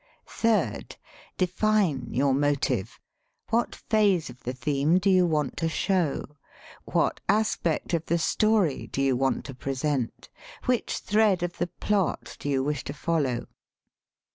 Third: Define your motive; what phase of the theme do you want to show; what aspect of the story do you want to present; which thread of the plot do you wish to follow.